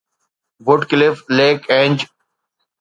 Woodcliff Lake Ange